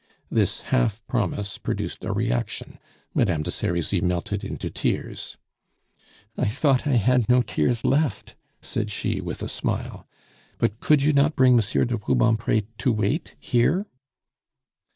This half promise produced a reaction; Madame de Serizy melted into tears. "I thought I had no tears left," said she with a smile. "But could you not bring Monsieur de Rubempre to wait here?"